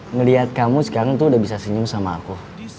ngelihat kamu sekarang tuh udah bisa senyum sama aku